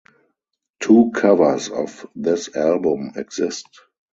Two covers of this album exist.